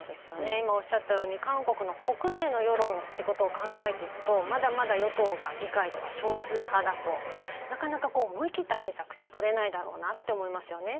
今、おっしゃったように韓国の国内の世論ということを考えていくとまだまだ与党が議会では少数派だとなかなか思い切った政策って取れないだろうなって思いますよね。